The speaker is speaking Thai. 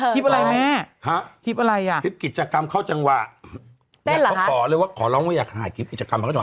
คลิปอะไรแม่คลิปกิจกรรมเข้าจังหวะเนี่ยเขาขอเลยว่าขอร้องว่าอย่าถ่ายคลิปกิจกรรม